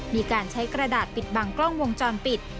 มีการใช้กระดาษปิดบังกล้องวงจรปิด